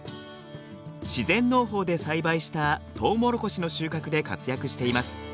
自然農法で栽培したとうもろこしの収穫で活躍しています。